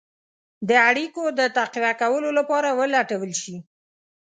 د اړېکو د تقویه کولو لپاره ولټول شي.